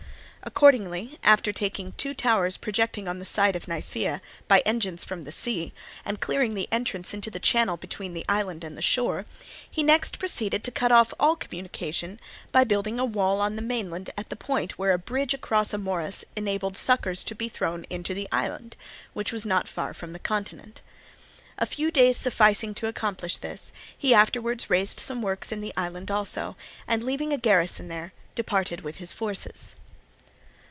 Accordingly, after taking two towers projecting on the side of Nisaea, by engines from the sea, and clearing the entrance into the channel between the island and the shore, he next proceeded to cut off all communication by building a wall on the mainland at the point where a bridge across a morass enabled succours to be thrown into the island, which was not far off from the continent. A few days sufficing to accomplish this, he afterwards raised some works in the island also, and leaving a garrison there, departed with his forces.